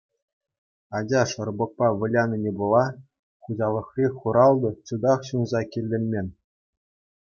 Ача шӑрпӑкпа вылянине пула, хуҫалӑхри хуралтӑ чутах ҫунса кӗлленмен.